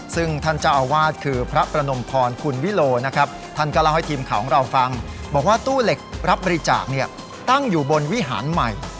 ซึ่งท่านเจ้าอาวาสคือพระประนมพรคุณวิโลนะครับท่านก็เล่าให้ทีมข่าวของเราฟังบอกว่าตู้เหล็กรับบริจาคตั้งอยู่บนวิหารใหม่